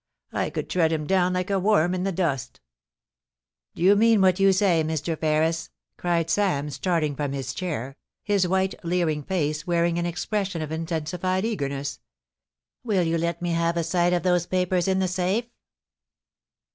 I could tread him down like a worm in the dust !' *Do you mean what you say, Mr. Ferris?' cried Sam, starting from his chair, his white, leering face wearing an expression of intensified eagerness. * Will you let me have a sight of those papers in the safe